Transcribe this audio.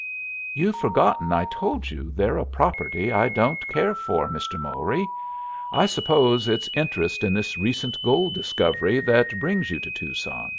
"You've forgotten I told you they're a property I don't care for, Mr. Mowry. I suppose it's interest in this recent gold discovery that brings you to Tucson."